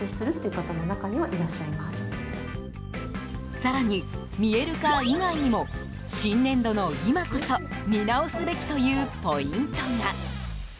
更に、見える化以外にも新年度の今こそ見直すべきというポイントが。